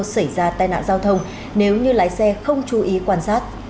xảy ra tai nạn giao thông nếu như lái xe không chú ý quan sát